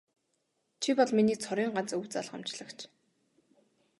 Чи бол миний цорын ганц өв залгамжлагч.